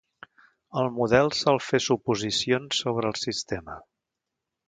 El model sol fer suposicions sobre el sistema.